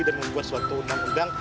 dan membuat suatu undang undang